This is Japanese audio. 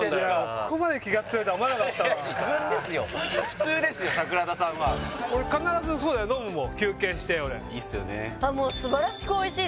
ここまで気が強いと思わなかった自分ですよ普通ですよ桜田さんは俺必ず飲むもん休憩していいっすよねあっ